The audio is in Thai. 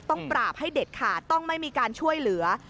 ปราบให้เด็ดขาดต้องไม่มีการช่วยเหลือ